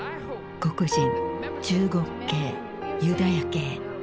黒人中国系ユダヤ系。